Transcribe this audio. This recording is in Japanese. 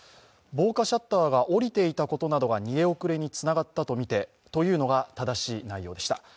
防火シャッターが下りていたことなどが逃げ遅れにつながったとみてというのが正しい内容でした。